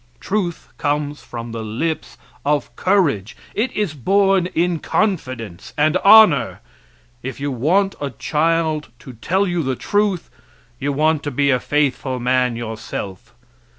Truth comes from the lips of courage. It is born in confidence and honor. If you want a child to tell you the truth you want to be a faithful man yourself.